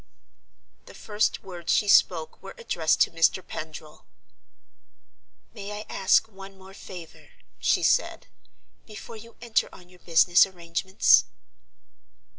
The first words she spoke were addressed to Mr. Pendril. "May I ask one more favor," she said, "before you enter on your business arrangements?"